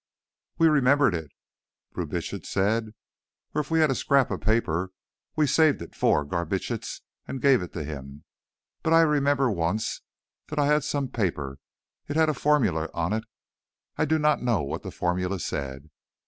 "We remembered it," Brubitsch said. "Or, if we had a scrap of paper, we saved it for Garbitsch and gave it to him. But I remember once that I had some paper. It had a formula on it. I do not know what the formula said."